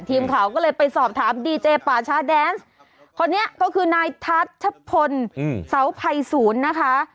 ทีมข่าวก็เลยไปสอบถามดีเจป่าชาแดนส์คนนี้ก็คือนายทัชพลเสาภัยศูนย์นะคะ